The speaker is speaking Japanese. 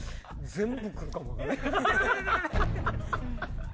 全部来るかも分からんハハハ！